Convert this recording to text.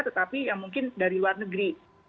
tetapi yang mungkin dari luar negeri